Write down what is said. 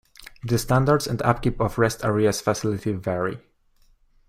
The standards and upkeep of rest areas facilities vary.